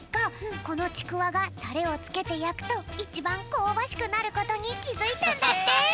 このちくわがタレをつけてやくと１ばんこうばしくなることにきづいたんだって！